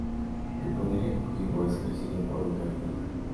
El poder ejecutivo es ejercido por un gabinete.